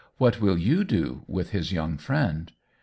" What will you do with his young friend